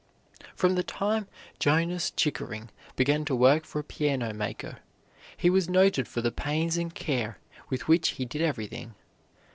From the time Jonas Chickering began to work for a piano maker, he was noted for the pains and care with which he did everything.